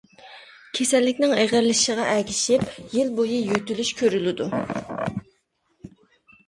كېسەللىكنىڭ ئېغىرلىشىشىغا ئەگىشىپ يىل بويى يۆتىلىش كۆرۈلىدۇ.